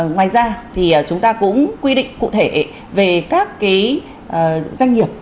ngoài ra thì chúng ta cũng quy định cụ thể về các doanh nghiệp